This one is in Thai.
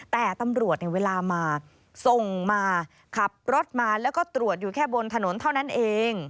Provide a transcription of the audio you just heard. แต่ตำรวจเวลามาส่งมาขับรถมาแล้วก็ตรวจอยู่แค่บนถนนเท่านั้นเอง